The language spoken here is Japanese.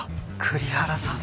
栗原さん